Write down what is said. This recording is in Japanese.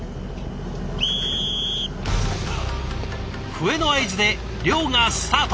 笛の合図で漁がスタート。